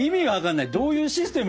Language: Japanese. どういうシステムよ？